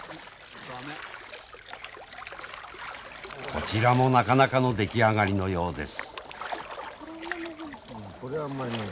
こちらもなかなかの出来上がりのようです。